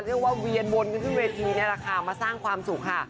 เรียกว่าเวียนวนกลึกขึ้นเวทีเนี่ยฤกษาความสุขค่ะ